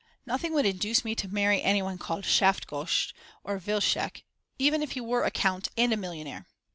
Nothing would induce me to marry anyone called Schafgotsch or Wilczek even if he were a count and a millionaire.